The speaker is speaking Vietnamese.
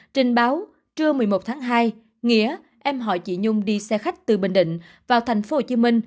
trình báo trưa một mươi một tháng hai nghĩa em hỏi chị nhung đi xe khách từ bình định vào tp hcm